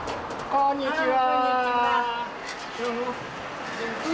こんにちは。